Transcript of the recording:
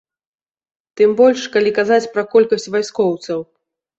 Тым больш, калі казаць пра колькасць вайскоўцаў.